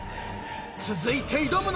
［続いて挑むのは］